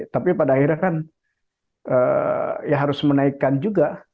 tapi pada akhirnya kan ya harus menaikkan juga